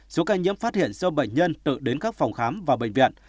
số ca nhiễm phát hiện do bệnh nhân tự đến các phòng khám và bệnh viện